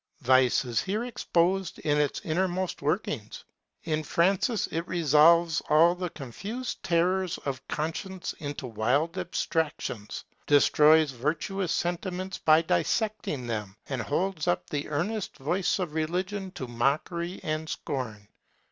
Vice is here exposed in its innermost workings. In Francis it resolves all the confused terrors of conscience into wild abstractions, destroys virtuous sentiments by dissecting them, and holds up the earnest voice of religion to mockery and scorn.